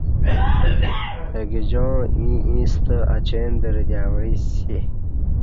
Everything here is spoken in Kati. اگِجاعں ییں ایݩستہ اچیندرہ دی اوعسی